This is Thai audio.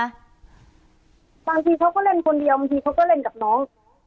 บางทีเขาก็เล่นคนเดียวบางทีเขาก็เล่นกับน้อง